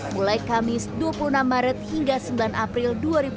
mulai kamis dua puluh enam maret hingga sembilan april dua ribu dua puluh